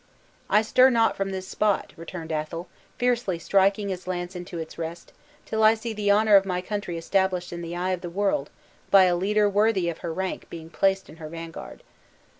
"I stir not from this spot," returned Athol, fiercely striking his lance into its rest, "till I see the honor of my country established in the eye of the world by a leader worthy of her rank being placed in her vanguard."